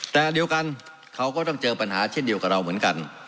แต่อันเดียวกันเขาก็ต้องเจอปัญหาเช่นเดียวกับเราเหมือนกัน